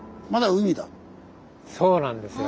そうなんですよ。